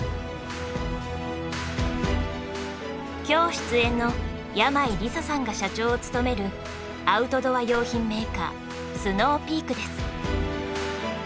今日出演の山井梨沙さんが社長を務めるアウトドア用品メーカースノーピークです。